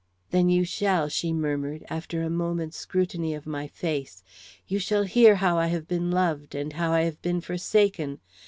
"Then you shall," she murmured, after a moment's scrutiny of my face. "You shall hear how I have been loved, and how I have been forsaken.